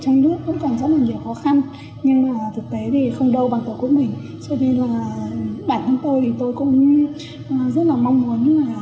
cho nên là bản thân tôi thì tôi cũng rất là mong muốn